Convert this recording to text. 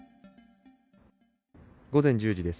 午前１０時です。